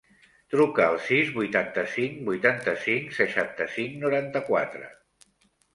Truca al sis, vuitanta-cinc, vuitanta-cinc, seixanta-cinc, noranta-quatre.